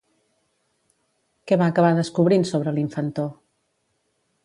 Què va acabar descobrint sobre l'infantó?